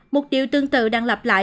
một điều tương tự đang lặp lại